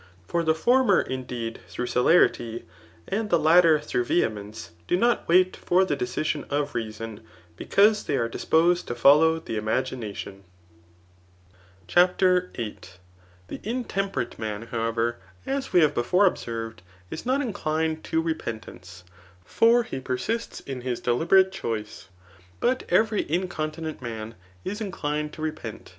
For the former, in deed, through celerity, and the latter through vehemence^ do not wait for the decision of reason, because they are disposed to follow the imaginauom CHAPTER VIII. The intemperate man, however, as we have before observed, is not inclined to repentance ; for he persists in his deliberate choice ; but every incontinent man is inclined to repent.